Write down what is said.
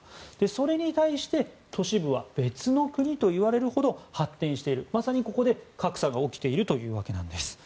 それに対して、都市部は別の国といわれるほど発展していて、まさにここで格差が起きているわけです。